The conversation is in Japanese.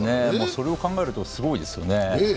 それを考えるとすごいですよね。